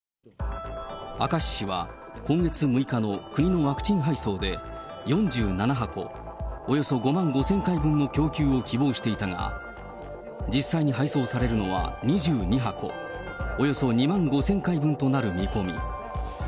明石市は、今月６日の国のワクチン配送で４７箱、およそ５万５０００回分の供給を希望していたが、実際に配送されるのは２２箱、およそ２万５０００回分となる見込み。